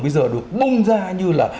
bây giờ được bung ra như là